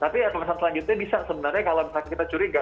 tapi alasan selanjutnya bisa sebenarnya kalau misalnya kita curiga